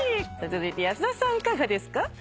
続いて安田さんいかがですか？